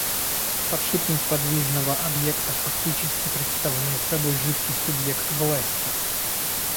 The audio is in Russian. Подшипник подвижного объекта фактически представляет собой жидкий субъект власти.